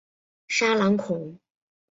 沙朗孔。